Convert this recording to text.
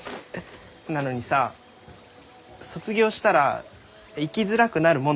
なのにさ卒業したら行きづらくなるもんだね。